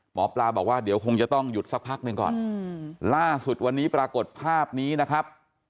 หมอปลาบอกว่าเดี๋ยวคงจะต้องหยุดสักพักหนึ่งก่อนล่าสุดวันนี้ปรากฏภาพนี้นะครับ